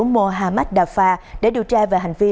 mohamed afar để điều tra về hành vi